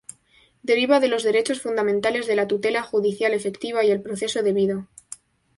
Deriva de los derechos fundamentales de la tutela judicial efectiva y el proceso debido.